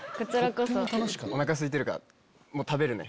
おなかすいてるから食べるね。